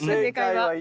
正解は。